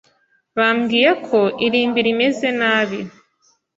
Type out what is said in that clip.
Bambwiye ko irimbi rimeze nabi.